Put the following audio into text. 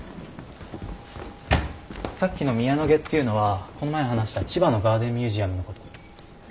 さっきの宮野花っていうのはこの前話した千葉のガーデンミュージアムのこと。